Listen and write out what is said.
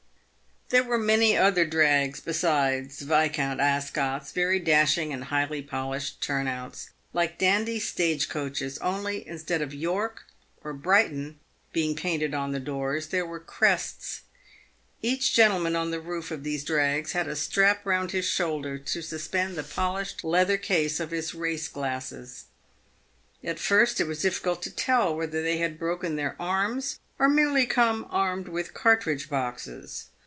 There were many other drags besides Viscount Ascot's, very dashing and highly polished turn outs, like dandy stage coaches, only instead of "York" or "Brighton" being painted on the doors, there were crests. Each gentleman on the roof of these drags had a strap round his shoulder, to suspend the polished leather case of his race glasses. At first it w r as difficult to tell whether they had broken their arms, or merely come armed with cartridge boxes.